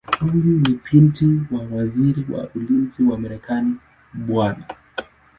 Huyu ni binti wa Waziri wa Ulinzi wa Marekani Bw.